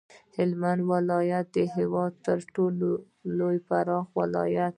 هلمند ولایت د هیواد تر ټولو پراخ ولایت دی